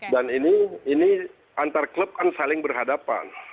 dan ini antar klub kan saling berhadapan